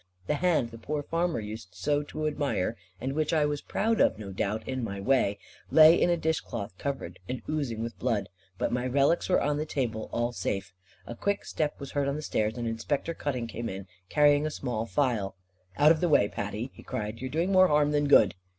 The hand the poor farmer used so to admire, and which I was proud of no doubt, in my way, lay in a dishcloth covered and oozing with blood. But my relics were on the table, all safe. A quick step was heard on the stairs, and Inspector Cutting came in, carrying a small phial. "Out of the way, Patty," he cried, "you are doing more harm than good."